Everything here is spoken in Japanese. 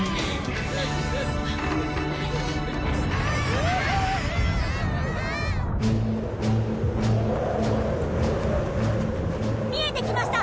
うわあ！見えてきました！